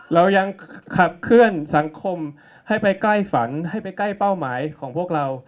เรายังขับเคลื่อนสังคมให้ไปใกล้ฝันให้ไปใกล้เป้าหมายของพวกเรา